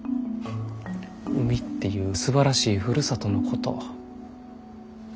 海っていうすばらしいふるさとのこと。